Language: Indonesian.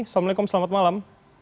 assalamualaikum selamat malam